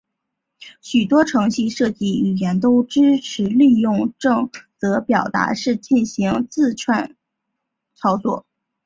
许多程序设计语言都支持利用正则表达式进行字符串操作。